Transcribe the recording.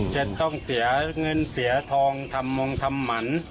จะต้องเสียเงินเสียทองทำมงทำหมัน